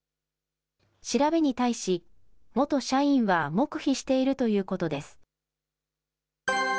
調べに対し、元社員は黙秘しているということです。